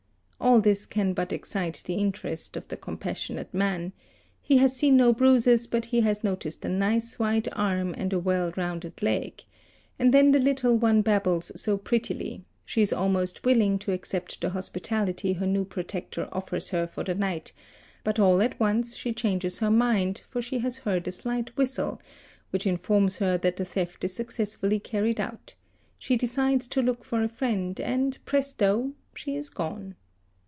All this can but excite the interest of the compassionate a man: he has seen no bruises but he has noticed a nice, white arm and a i] well rounded leg; and then the little one babbles so prettily; she is almost willing to accept the hospitality her new protector offers her for . the night, but all at once she changes her mind, for she has heard a slight whistle which informs her that the theft is successfully carried out ; she decides to look for a friend, and, presto! she is gone.